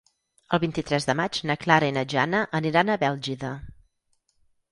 El vint-i-tres de maig na Clara i na Jana aniran a Bèlgida.